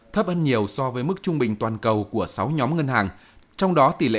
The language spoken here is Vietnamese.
thấp hơn nhiều so với mức trung bình toàn cầu của sáu nhóm ngân hàng